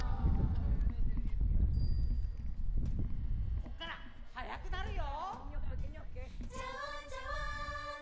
こっからはやくなるよ！